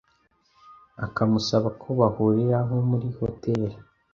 akamusaba ko bahurira nko muri hoteli